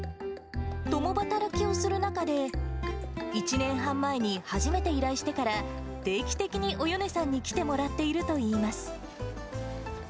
共働きをする中で、１年半前に初めて依頼してから、定期的におよねさんに来てもらっているといいます。